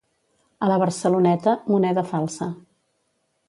A la Barceloneta, moneda falsa.